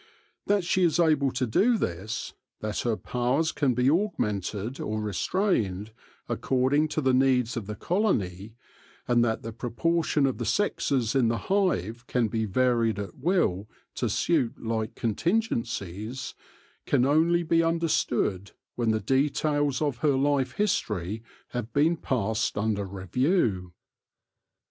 That she is able to do this — that her powers can be augmented or restrained, according to the needs of the colony, and that the proportion of the sexes in the hive can be varied at will to suit like con tingencies — can only be understood when the details of her life history have been passed under review.